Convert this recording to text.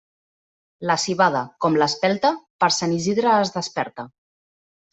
La civada, com l'espelta, per Sant Isidre es desperta.